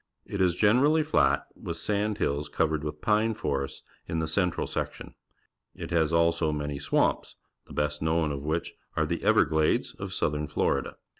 It is generally flat, with sand hills coA'ered with pine forests in the central section. It has also many swamps, the best known of which are the Everglades of Southern Florida.